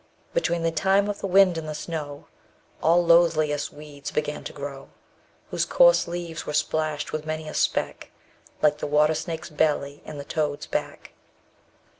Between the time of the wind and the snow _50 All loathliest weeds began to grow, Whose coarse leaves were splashed with many a speck, Like the water snake's belly and the toad's back.